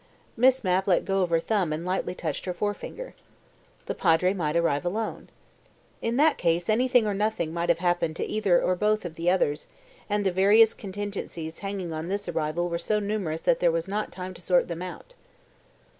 Miss Mapp let go of her thumb and lightly touched her forefinger. II. The Padre might arrive alone. In that case anything or nothing might have happened to either or both of the others, and the various contingencies hanging on this arrival were so numerous that there was not time to sort them out.